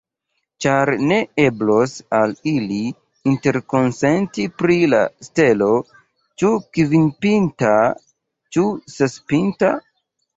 Ĉar ne eblos al ili interkonsenti pri la stelo, ĉu kvinpinta, ĉu sespinta.